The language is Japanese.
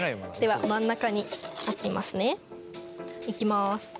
では真ん中に置きますね。いきます。